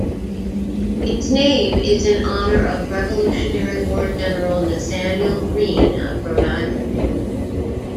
Its name is in honor of Revolutionary War General Nathanael Greene of Rhode Island.